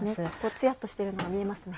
ツヤっとしてるのが見えますね。